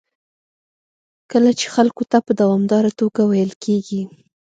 کله چې خلکو ته په دوامداره توګه ویل کېږي